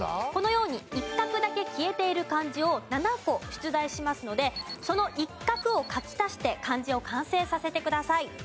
このように一画だけ消えている漢字を７個出題しますのでその一画を書き足して漢字を完成させてください。